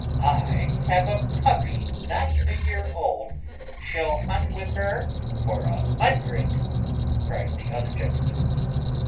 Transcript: "I have a puppy, not a year old, shall hunt with her for a hundred," cries the other gentleman.